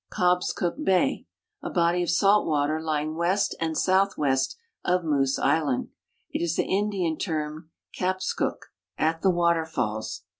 Cobscook bay, a l)ody of salt water lying west and southwest of ISIoose island. It is the Indian term kapskuk, "at the waterfalls."